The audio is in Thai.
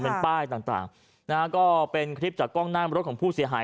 เป็นป้ายต่างนะฮะก็เป็นคลิปจากกล้องหน้ามรถของผู้เสียหาย